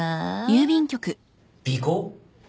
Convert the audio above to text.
尾行？